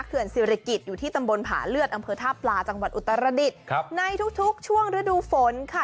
ศิริกิจอยู่ที่ตำบลผาเลือดอำเภอท่าปลาจังหวัดอุตรดิษฐ์ในทุกช่วงฤดูฝนค่ะ